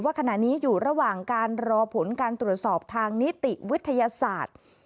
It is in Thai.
ขณะนี้อยู่ระหว่างการรอผลการตรวจสอบทางนิติวิทยาศาสตร์